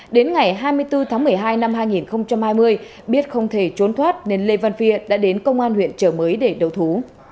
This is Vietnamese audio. đến ngày hai mươi bốn tháng một mươi hai năm hai nghìn hai mươi biết không thể trốn thoát nên lê văn phia đã đến công an huyện trợ mới để đầu thú